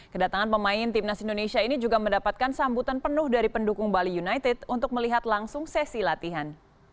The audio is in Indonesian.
kedatangan pemain timnas indonesia ini juga mendapatkan sambutan penuh dari pendukung bali united untuk melihat langsung sesi latihan